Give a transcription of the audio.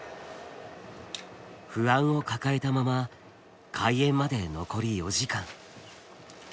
不安を抱えたまま開演まで残り４時間。